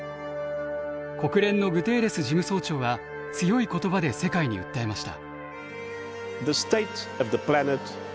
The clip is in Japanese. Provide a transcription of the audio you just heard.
国連のグテーレス事務総長は強い言葉で世界に訴えました。